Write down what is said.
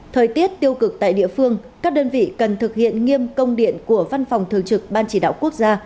thời tiết tiêu cực tại địa phương các đơn vị cần thực hiện nghiêm công điện của văn phòng thường trực ban chỉ đạo quốc gia